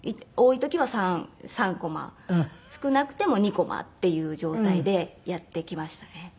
多い時は３コマ少なくても２コマっていう状態でやってきましたね。